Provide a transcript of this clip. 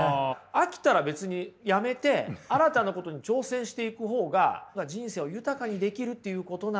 飽きたら別にやめて新たなことに挑戦していく方が人生を豊かにできるっていうことなんですよ。